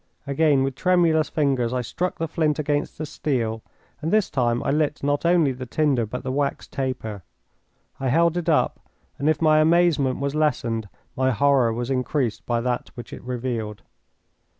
Again with tremulous fingers I struck the flint against the steel, and this time I lit not only the tinder but the wax taper. I held it up, and if my amazement was lessened my horror was increased by that which it revealed.